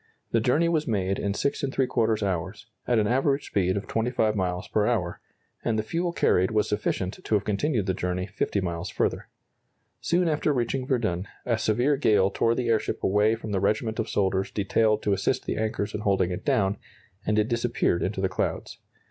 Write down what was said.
The journey was made in 6¾ hours, at an average speed of 25 miles per hour, and the fuel carried was sufficient to have continued the journey 50 miles further. Soon after reaching Verdun a severe gale tore the airship away from the regiment of soldiers detailed to assist the anchors in holding it down, and it disappeared into the clouds.